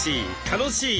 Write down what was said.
楽しい！